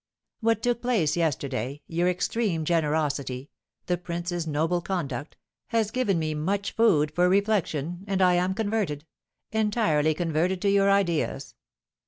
"What took place yesterday, your extreme generosity, the prince's noble conduct, has given me much food for reflection, and I am converted, entirely converted to your ideas."